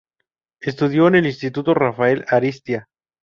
Estudio en el Instituto Rafael Ariztía.